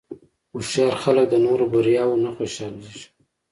هوښیار خلک د نورو بریاوو نه خوشحالېږي.